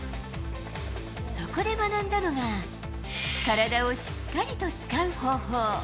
そこで学んだのが、体をしっかりと使う方法。